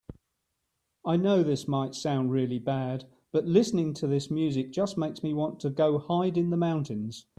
I know this might sound really bad, but listening to this music just makes me want to go hide in the mountains.